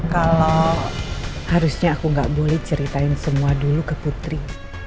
kalau harusnya aku nggak boleh ceritain semua dulu ke putri